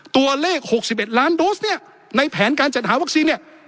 ตัวเลข๖๑ล้านโดสเนี่ยในแผนการจัดหาวัคซีนเนี่ย